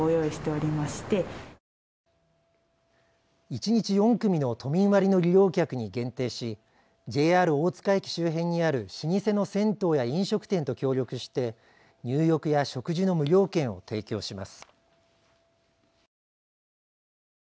一日４組の都民割の利用客に限定しＪＲ大塚駅周辺にある老舗の銭湯や飲食店と協力して入浴や食事の無料券を提供します。